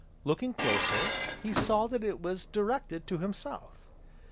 Looking closer, he saw that it was directed to himself.